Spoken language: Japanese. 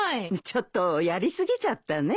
ちょっとやり過ぎちゃったね。